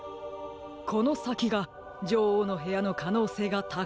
このさきがじょおうのへやのかのうせいがたかいでしょう。